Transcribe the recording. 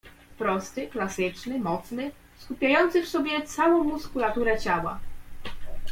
"Prosty, klasyczny, mocny, skupiający w sobie całą muskulaturę ciała."